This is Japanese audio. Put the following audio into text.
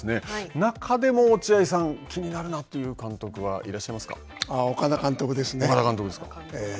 中でも落合さん気になるなという監督は岡田監督ですね。